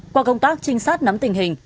qua công tác trinh sát nắm tình hình